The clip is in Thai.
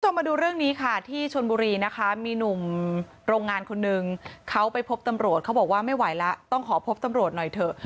มาดูเรื่องนี้ค่ะที่ชนบุรีนะคะมีหนุ่มโรงงานคนนึงเขาไปพบตำรวจเขาบอกว่าไม่ไหวแล้วต้องขอพบตำรวจหน่อยเถอะ